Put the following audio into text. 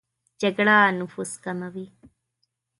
جګړه نفوس کموي